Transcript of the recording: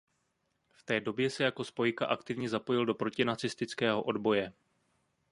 V té době se jako spojka aktivně zapojil do protinacistického odboje.